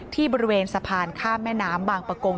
ที่บริเวณสะพานข้ามแม่น้ำบางประกง